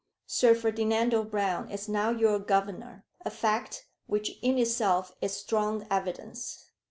Sir Ferdinando Brown is now your Governor, a fact which in itself is strong evidence.